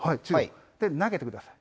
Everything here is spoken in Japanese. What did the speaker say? で、投げてください。